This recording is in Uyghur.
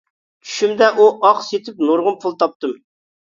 چۈشۈمدە ئۇ ئاق سېتىپ نۇرغۇن پۇل تاپتىم.